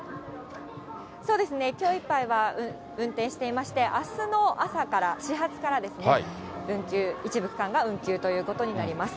そうですね、きょういっぱいは運転していまして、あすの朝から、始発からですね、運休、一部区間が運休ということになります。